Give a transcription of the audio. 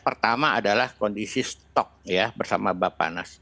pertama adalah kondisi stok ya bersama bapak nas